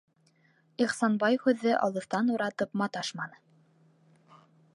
Ихсанбай һүҙҙе алыҫтан уратып маташманы: